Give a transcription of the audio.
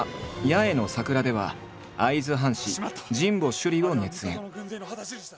「八重の桜」では会津藩士神保修理を熱演。